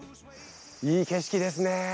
いい景色ですね。